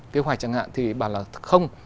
kế hoạch chẳng hạn thì bảo là không